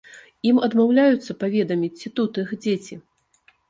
Ім адмаўляюцца паведаміць, ці тут іх дзеці.